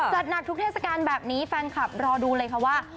จัดหนักทุกเทศกาลแบบนี้แฟนคลับรอดูเลยค่ะว่า